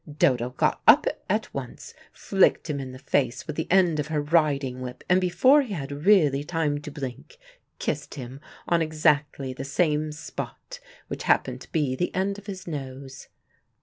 Dodo got up at once, flicked him in the face with the end of her riding whip, and before he had really time to blink, kissed him on exactly the same spot, which happened to be the end of his nose.